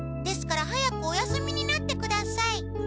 ですから早くお休みになってください。